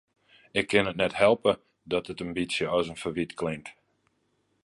Ik kin it net helpe dat it in bytsje as in ferwyt klinkt.